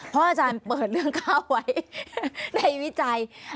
เพราะอาจารย์เปิดเรื่องข้าวไว้ในวิจัย